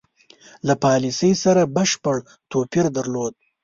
له پالیسی سره بشپړ توپیر درلود.